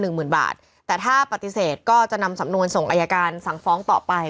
หมื่นบาทแต่ถ้าปฏิเสธก็จะนำสำนวนส่งอายการสั่งฟ้องต่อไป